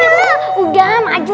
yang kedua amalia